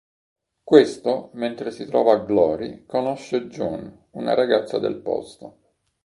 Questo, mentre si trova a Glory, conosce June, una ragazza del posto.